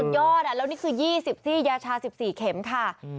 สุดยอดแล้วนี่คือ๒๔ยาชา๑๔เข็มค่ะ